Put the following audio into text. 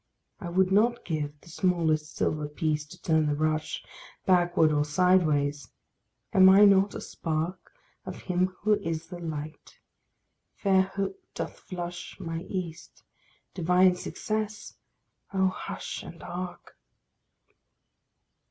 I would not give The smallest silver piece to turn the rush Backward or sideways. Am I not a spark Of him who is the light? Fair hope doth flush My east. Divine success Oh, hush and hark!